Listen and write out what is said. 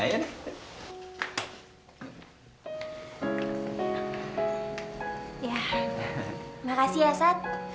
ya makasih ya seth